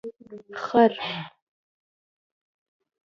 🫏 خر